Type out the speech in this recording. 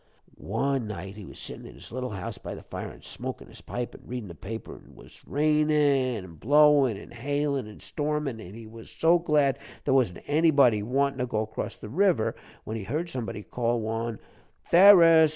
"One night he was sittin' in his little house by the fire, an' smokin' his pipe an' readin' the paper, an' 'twas rainin' an' blowin' an' hailin' an' stormin', an' he was so glad there wasn't anybody wantin' to go 'cross the river, when he heard somebody call one 'Ferus!'